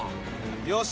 よし！